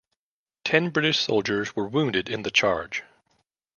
Ten British soldiers were wounded in the charge.